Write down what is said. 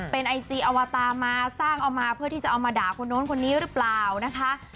เป็นไอจีอวตามาสร้างเอามาเพื่อที่จะเอามาด่าคนโน้นคนนี้หรือเปล่านะคะ